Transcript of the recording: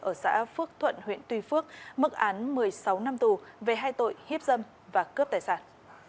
ở xã phước thuận huyện tuy phước mức án một mươi sáu năm tù về hai tội hiếp dâm và cướp tài sản